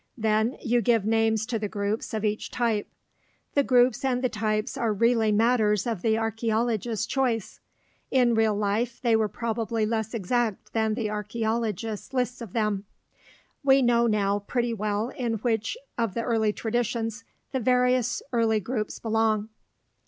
Then you give names to the groups of each type. The groups and the types are really matters of the archeologists' choice; in real life, they were probably less exact than the archeologists' lists of them. We now know pretty well in which of the early traditions the various early groups belong.